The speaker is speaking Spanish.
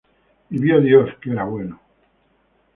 Y vio Dios que era bueno.